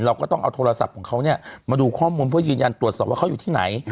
เราก็ต้องเอาโทรศัพท์ของเขาเนี่ยมาดูข้อมูลเพื่อยืนยันตรวจสอบว่าเขาอยู่ที่ไหน